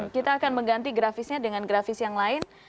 kita akan mengganti grafisnya dengan grafis yang lain